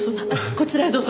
こちらへどうぞ。